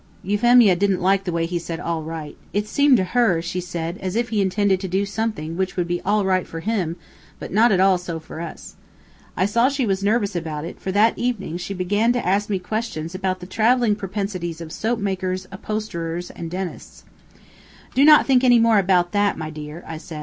Euphemia didn't like the way he said "all right." It seemed to her, she said, as if he intended to do something which would be all right for him, but not at all so for us. I saw she was nervous about it, for that evening she began to ask me questions about the traveling propensities of soap makers, upholsterers, and dentists. "Do not think anything more about that, my dear," I said.